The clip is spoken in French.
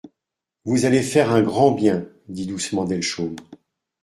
«Vous allez faire un grand bien,» dit doucement Delchaume.